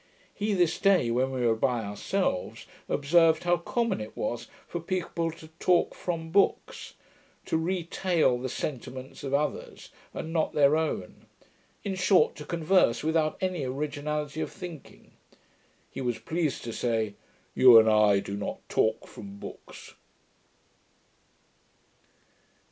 He this day, when we were by ourselves, observed, how common it was for people to talk from books; to retail the sentiments of others, and not their own; in short, to converse without any originality of thinking. He was pleased to say, 'You and I do not talk from books.'